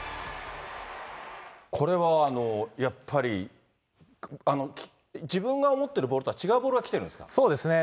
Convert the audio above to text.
これはやっぱり自分が思ってるボールとは違うボールが来てるそうですね。